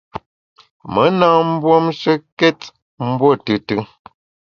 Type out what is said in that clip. Me na mbuomshekét mbuo tùtù.